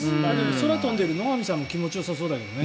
空を飛んでる野上さんが気持ちよさそうだけどね。